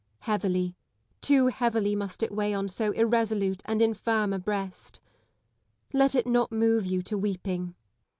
Heavily, too heavily, must it weigh on so irresolute and infirm a breast. Let it not move you to weeping.